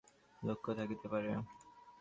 তোমরা যদি ভিক্ষুক হও, তোমাদের লক্ষ্য থাকিতে পারে।